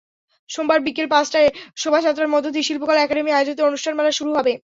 সোমবার বিকেল পাঁচটায় শোভাযাত্রার মধ্য দিয়ে শিল্পকলা একাডেমী আয়োজিত অনুষ্ঠানমালার শুরু হবে।